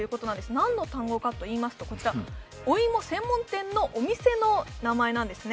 何の単語かといいますと、お芋専門店のお店の名前なんですね。